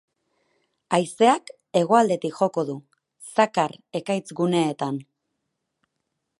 Haizeak hegoaldetik joko du, zakar ekaitz guneetan.